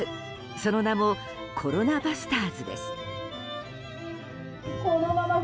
その名もコロナバスターズです。